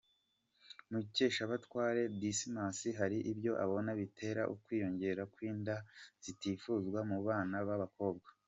Mukeshabatware Dismas hari ibyo abona bitera ukwiyongera kw'inda zitifuzwa mu bana b'abakobwa.